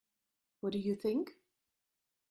What did you think?